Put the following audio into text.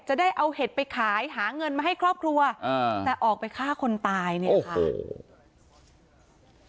จะได้เอาเห็ดไปขายหาเงินมาให้ครอบครัวอ่าแต่ออกไปฆ่าคนตายเนี่ยค่ะโอ้โห